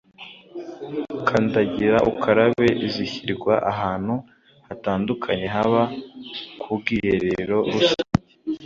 Kandagira Ukarabe” zishyirwa ahantu hatandukakanye haba k’ubwiherero rusange